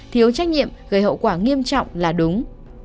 thiếu trách nhiệm gây hậu quả nghiêm trọng là đúng